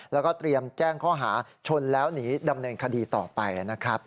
แล้วก็เตรียมแจ้งข้อหาชนแล้วหนีดำเนินคดีต่อไปนะครับ